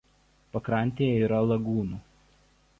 Pakrantėje yra lagūnų.